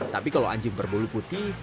tapi kalau anjing berbulu putih